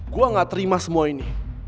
gue gak terima semua ini